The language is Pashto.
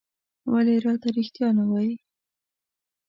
ولې راته رېښتيا نه وايې؟